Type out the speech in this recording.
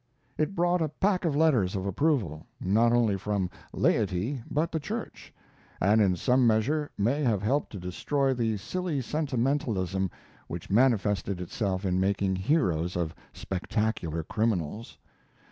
It brought a pack of letters of approval, not only from laity, but the church, and in some measure may have helped to destroy the silly sentimentalism which manifested itself in making heroes of spectacular criminals.